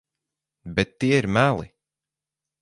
Bet tie ir meli.